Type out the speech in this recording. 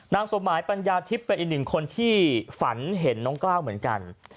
สมหมายปัญญาทิพย์เป็นอีกหนึ่งคนที่ฝันเห็นน้องกล้าวเหมือนกัน